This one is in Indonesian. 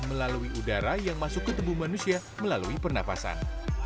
melalui udara yang masuk ke tubuh manusia melalui pernafasan